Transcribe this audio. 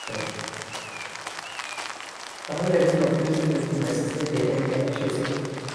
তাহলে একজন অপরিচিত ব্যক্তির মেসেজ দেখে এখানে কেন এসেছ?